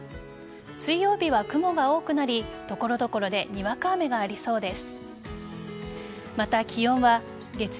水曜日は雲が多くなり所々でにわか雨がありそうです。